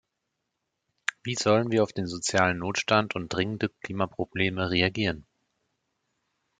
Wie sollen wir auf den sozialen Notstand und dringende Klimaprobleme reagieren?